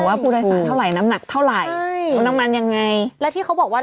ว่าผู้โดยสารเท่าไหร่น้ำหนักเท่าไหร่ใช่รถน้ำมันยังไงแล้วที่เขาบอกว่า